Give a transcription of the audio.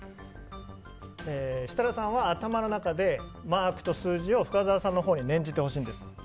設楽さんは頭の中でマークと数字を深澤さんのほうに念じてほしいんです。